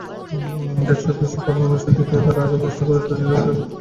Desktop পিসির পারফরমেন্সের দিকে এবার আরও বেশি গুরুত্ব দিল চিপ নির্মাতা প্রতিষ্ঠান ইনটেল।